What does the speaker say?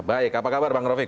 baik apa kabar bang rofik